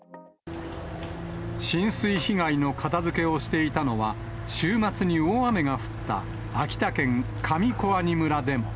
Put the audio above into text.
浸水被害の片づけをしていたのは、週末に大雨が降った秋田県上小阿仁村でも。